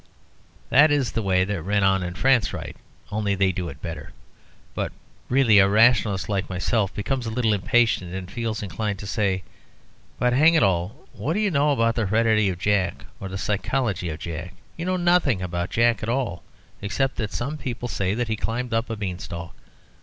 That is the way that Renan and France write, only they do it better. But, really, a rationalist like myself becomes a little impatient and feels inclined to say, "But, hang it all, what do you know about the heredity of Jack or the psychology of Jack? You know nothing about Jack at all, except that some people say that he climbed up a beanstalk.